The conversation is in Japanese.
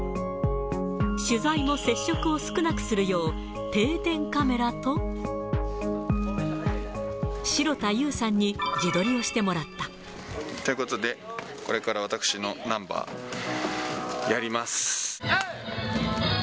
取材も、接触を少なくするよう、定点カメラと、城田優さんに自撮りをしてということで、これから私のナンバーやります。